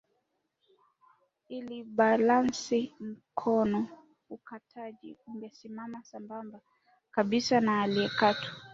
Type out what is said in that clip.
Ili kubalansi mkono mkataji angesimama sambamba kabisa na anayekatwa